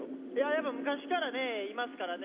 やっぱ昔からねいますからね